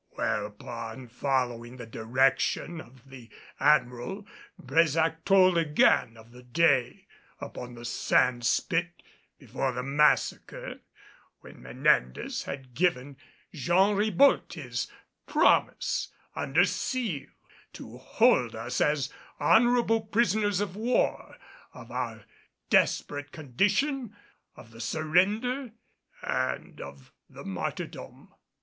Whereupon, following the direction of the Admiral, Brésac told again of the day upon the sand spit before the massacre, when Menendez had given Jean Ribault his promise, under seal, to hold us as honorable prisoners of war; of our desperate condition, of the surrender and of the martyrdom.